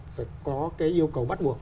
phải có cái yêu cầu bắt buộc